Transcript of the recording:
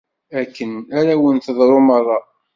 Akken ara wen-teḍru merra.